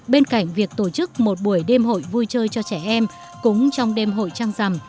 bên cạnh việc tổ chức một buổi đêm hội vui chơi cho trẻ em cũng trong đêm hội trăng rằm